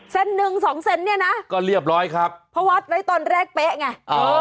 เซนหนึ่งสองเซนนี่นะพอวัดไว้ตอนแรกเป๊ะไงอ๋อ